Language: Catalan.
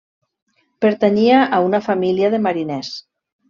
Pertanyia a una família de mariners.